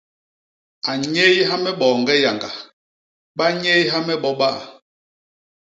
A nnyéyha me boñge yañga; ba nnyéyha me bo ba.